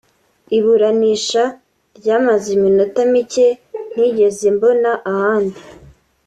Iburanisha ryamaze iminota mike ntigeze mbona ahandi